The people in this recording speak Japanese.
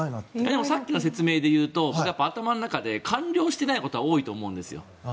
でもさっきの説明でいうと僕、頭の中で完了してないことが多いと思うんですよ。